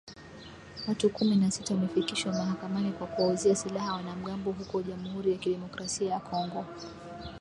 Watu kumi na sita wamefikishwa mahakamani kwa kuwauzia silaha wanamgambo huko Jamuhuri ya kidemokrasia ya Kongo